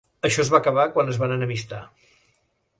Això es va acabar quan es van enemistar.